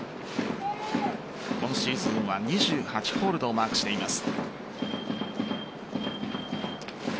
今シーズンは２８ホールドをマークしています。